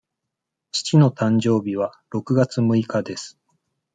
父の誕生日は六月五日です。